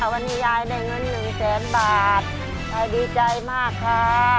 วันนี้ยายได้เงิน๑แสนบาทยายดีใจมากค่ะ